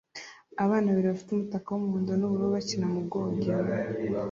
Abana babiri bafite umutaka wumuhondo nubururu bakina mu bwogero